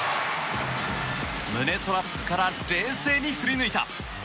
胸トラップから冷静に振り抜いた！